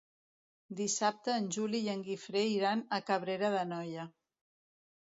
Dissabte en Juli i en Guifré iran a Cabrera d'Anoia.